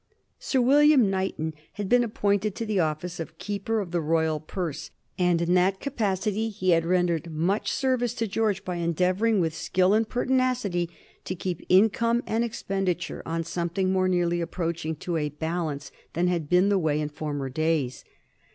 Sir William Knighton had been appointed to the office of Keeper of the Royal Purse, and in that capacity he had rendered much service to George by endeavoring with skill and pertinacity to keep income and expenditure on something more nearly approaching to a balance than had been the way in former days.